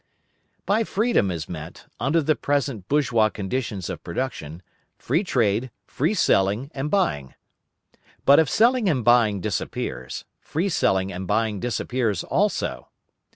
By freedom is meant, under the present bourgeois conditions of production, free trade, free selling and buying. But if selling and buying disappears, free selling and buying disappears also.